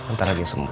ntar lagi sembuh